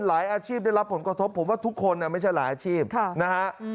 อาชีพได้รับผลกระทบผมว่าทุกคนไม่ใช่หลายอาชีพนะฮะ